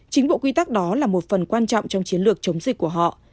chính bộ quy tắc đó là một phần quan trọng trong chiến lược chống dịch của họ